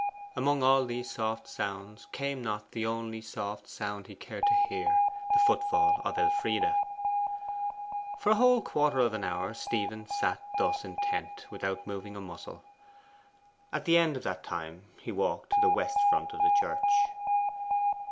Among all these soft sounds came not the only soft sound he cared to hear the footfall of Elfride. For a whole quarter of an hour Stephen sat thus intent, without moving a muscle. At the end of that time he walked to the west front of the church.